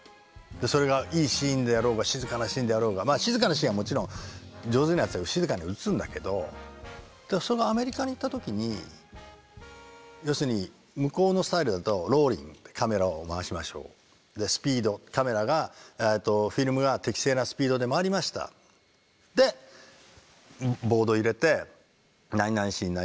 それがいいシーンであろうが静かなシーンであろうがまあ静かなシーンはもちろん上手なやつは静かに打つんだけどそれがアメリカに行った時に要するに向こうのスタイルだとローリングってカメラを回しましょうスピードカメラがフィルムが適正なスピードで回りましたでボード入れて「何々シーン何々」スーッと去っていくわけ。